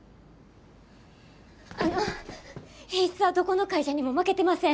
あの品質はどこの会社にも負けてません。